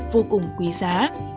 vô cùng quý giá